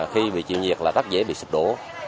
khi bị chịu nhiệt là rất dễ bị sụp đổ